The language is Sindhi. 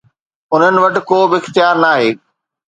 انهن وٽ ڪو به اختيار ناهي.